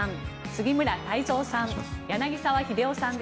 杉村太蔵さん